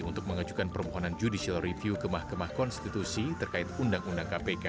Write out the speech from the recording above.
untuk mengajukan permohonan judicial review ke mahkamah konstitusi terkait undang undang kpk